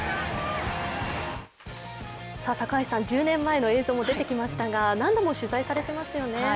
１０年前の映像も出てきましたが何度も取材されていますよね？